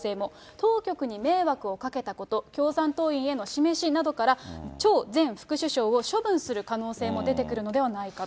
当局に迷惑をかけたこと、共産党員への示しなどから、張前副首相を処分する可能性も出てくるのではないかと。